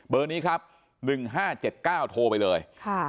นี้ครับ๑๕๗๙โทรไปเลย